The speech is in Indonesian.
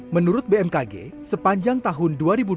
menurut bmkg sepanjang tahun dua ribu dua puluh